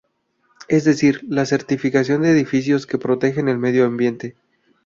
Es decir, la certificación de edificios que protegen el medio ambiente.